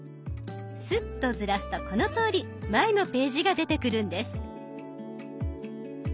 スッとずらすとこのとおり前のページが出てくるんです。